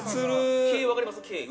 産毛、分かります？